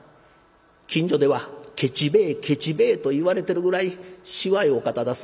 近所では『ケチ兵衛ケチ兵衛』と言われてるぐらいしわいお方だす。